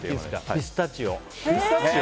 ピスタチオ。